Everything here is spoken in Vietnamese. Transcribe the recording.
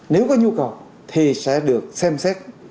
nếu có nhu cầu thì sẽ được xem xét